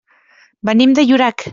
Venim de Llorac.